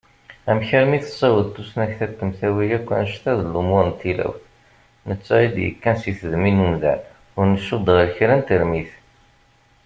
Amek armi tassaweḍ tusnakt ad temtawi akk annect-a d lumuṛ n tilawt, nettat i d-yekkan si tedmi n umdan, ur ncudd ɣer kra n termit?